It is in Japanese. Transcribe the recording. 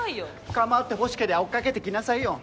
構ってほしけりゃ追っ掛けてきなさいよ。